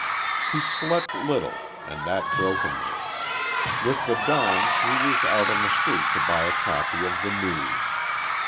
He slept little, and that brokenly. With the dawn he was out on the street to buy a copy of the "News."